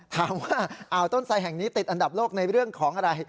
ถามว่าอ่าวต้นไสแห่งนี้ติดอันดับโลกในเรื่องของอะไร